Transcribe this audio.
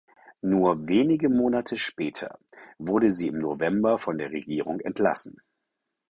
Nur wenige Monate später wurde sie im November von der Regierung entlassen.